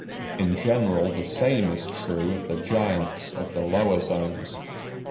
In general the same is true of the giants of the lower zones.